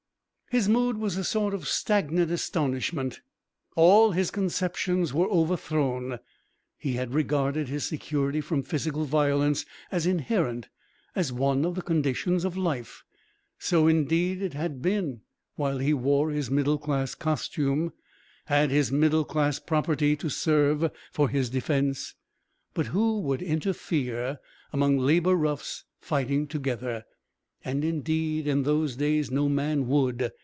His mood was a sort of stagnant astonishment. All his conceptions were overthrown. He had regarded his security from physical violence as inherent, as one of the conditions of life. So, indeed, it had been while he wore his middle class costume, had his middle class property to serve for his defence. But who would interfere among Labour roughs fighting together? And indeed in those days no man would.